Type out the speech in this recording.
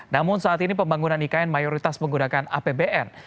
namun saat ini pembangunan ikn mayoritas menggunakan apbn